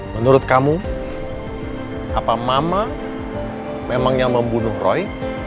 menurut kamu apa mama memang yang membunuh roy